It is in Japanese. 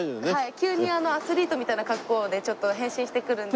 急にアスリートみたいな格好をねちょっと変身してくるので。